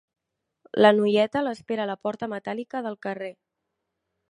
La noieta l'espera a la porta metàl·lica del carrer.